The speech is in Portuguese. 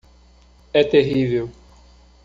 É terrível